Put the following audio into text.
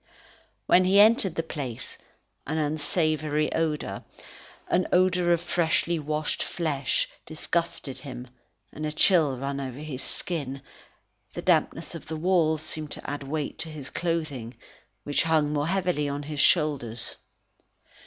When he entered the place an unsavoury odour, an odour of freshly washed flesh, disgusted him and a chill ran over his skin: the dampness of the walls seemed to add weight to his clothing, which hung more heavily on his shoulders.